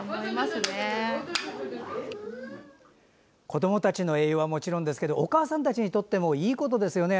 子どもたちの栄養はもちろんですけどお母さんたちにとってもいいことですよね。